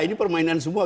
ini permainan semua